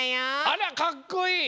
あらかっこいい！